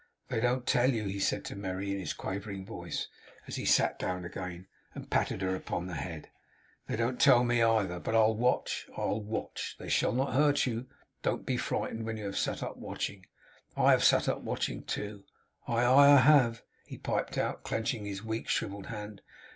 'They don't tell you,' he said to Merry in his quavering voice, as he sat down again, and patted her upon the head. 'They don't tell me either; but I'll watch, I'll watch. They shall not hurt you; don't be frightened. When you have sat up watching, I have sat up watching too. Aye, aye, I have!' he piped out, clenching his weak, shrivelled hand.